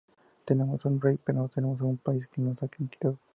Tenemos un rey, pero no tenemos un país, que nos han quitado".